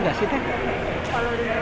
kalau di sini sih mungkin tidak